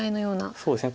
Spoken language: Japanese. そうですね